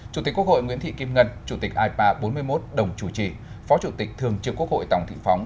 chủ tịch quốc hội nguyễn thị kim ngân chủ tịch ipa bốn mươi một đồng chủ trì phó chủ tịch thường trực quốc hội tòng thị phóng